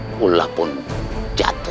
pula pun jatuh